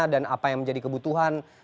dan apa yang menjadi kebutuhan